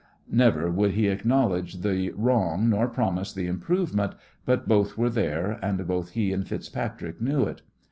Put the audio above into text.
Never would he acknowledge the wrong nor promise the improvement, but both were there, and both he and FitzPatrick knew it.